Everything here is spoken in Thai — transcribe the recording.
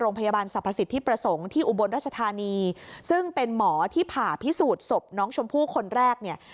โรงพยาบาลสรรพสิทธิประสงค์ที่อุบลราชธานีซึ่งเป็นหมอที่ผ่าพิสูจน์ศพน้องชมพู่คนแรกเนี่ย